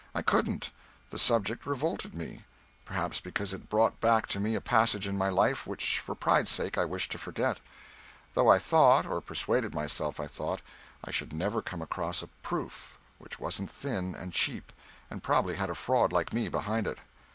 I couldn't. The subject revolted me. Perhaps because it brought back to me a passage in my life which for pride's sake I wished to forget; though I thought or persuaded myself I thought I should never come across a "proof" which wasn't thin and cheap, and probably had a fraud like me behind it.